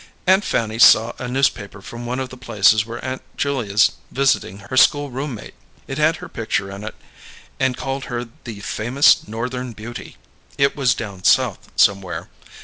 "Aunt Fanny saw a newspaper from one the places where Aunt Julia's visiting her school room mate. It had her picture in it and called her 'the famous Northern Beauty'; it was down South somewhere.